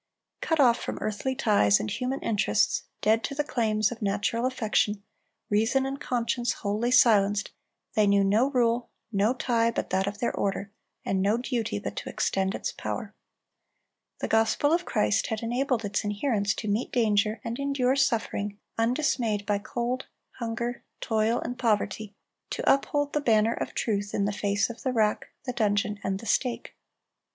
Cut off from earthly ties and human interests, dead to the claims of natural affection, reason and conscience wholly silenced, they knew no rule, no tie, but that of their order, and no duty but to extend its power.(349) The gospel of Christ had enabled its adherents to meet danger and endure suffering, undismayed by cold, hunger, toil, and poverty, to uphold the banner of truth in face of the rack, the dungeon, and the stake.